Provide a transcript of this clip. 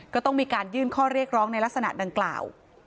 ก็ต้องมีการยื่นข้อเรียกร้องในลักษณะดังกล่าว